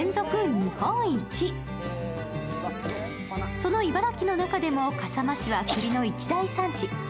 その茨城の中でも笠間市はくりの一大産地。